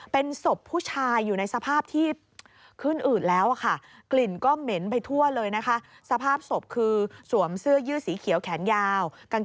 เป็นศพผู้ชายอยู่ในสภาพที่ขึ้นอืดแล้วค่ะ